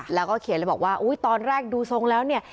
แล้วก็เขียนเลยบอกว่าอุ๊ยตอนแรกดูทรงแล้วเนี่ย